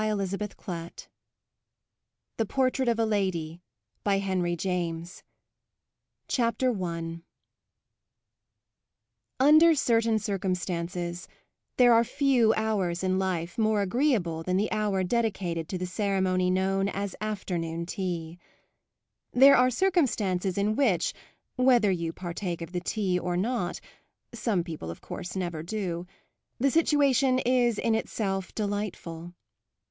HENRY JAMES THE PORTRAIT OF A LADY CHAPTER I Under certain circumstances there are few hours in life more agreeable than the hour dedicated to the ceremony known as afternoon tea. There are circumstances in which, whether you partake of the tea or not some people of course never do, the situation is in itself delightful.